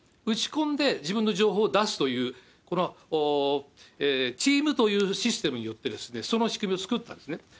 打ち込んで、自分の情報を出すという、このチームというシステムによって、その仕組みを作ったんですね。